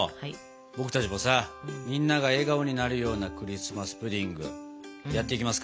僕たちもさみんなが笑顔になるようなクリスマス・プディングやっていきますか。